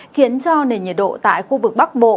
khiến cho nền nhiệt độ tại khu vực bắc bộ